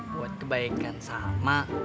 buat kebaikan salma